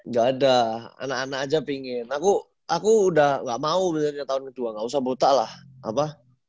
enggak ada anak anak aja pingin aku udah gak mau tahun ke dua gak usah buta lah apa